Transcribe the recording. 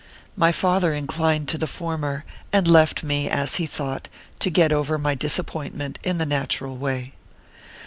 My father inclined to the former, and left me, as he thought, to get over my disappointment in the nat ural way.